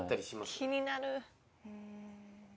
気になる。